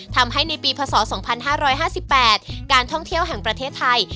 ทำให้ในปีพศ๒๕๕๘การท่องเที่ยวแห่งประเทศไทย